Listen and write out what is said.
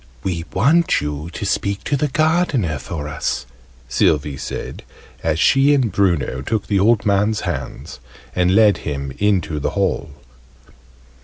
"We want you to speak to the Gardener for us," Sylvie said, as she and Bruno took the old man's hands and led him into the hall.